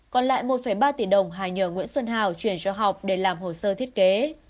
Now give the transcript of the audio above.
còn lại một ba tỷ đồng hà nhờ nguyễn xuân hào chuyển cho học để làm hồ sơ thiết kế